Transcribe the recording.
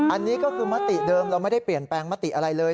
อันนี้ก็คือมติเดิมเราไม่ได้เปลี่ยนแปลงมติอะไรเลย